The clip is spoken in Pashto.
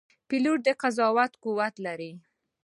پیلوټ د قضاوت قوت لري.